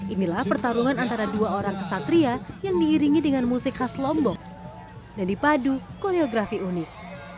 inilah pertarungan antara dua orang kesatria yang diiringi dengan musik khas lombok dan dipadu koreografi unik